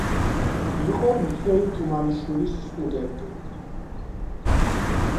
იყო მიხეილ თუმანიშვილის სტუდენტი.